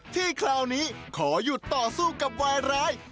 ที่คราวนี้ขอหยุดต่อสู้กับวายร้าย